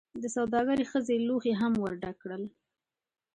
دسوداګرې ښځې لوښي هم ورډک کړل.